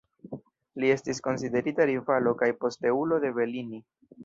Li estis konsiderita rivalo kaj posteulo de Bellini.